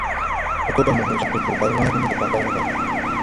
Ndo ko ba mo hoʼ jāg tpuri bày wããge me de depārday wa ga?